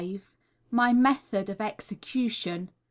My Method of Execution.